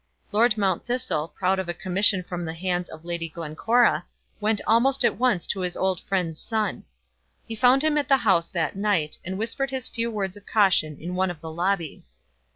Lord Mount Thistle, proud of a commission from the hands of Lady Glencora, went almost at once to his old friend's son. He found him at the House that night, and whispered his few words of caution in one of the lobbies.